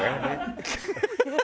ハハハハ！